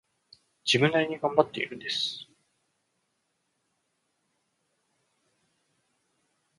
自分なりに頑張っているんです